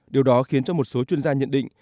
điều đó khiến cho một số chuyên gia nhận định